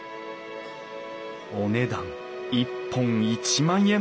お値段一本１万円。